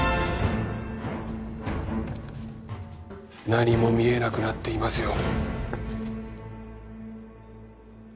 何も見えなくなっていますよ。